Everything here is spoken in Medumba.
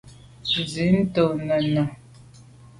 Zin nde nène.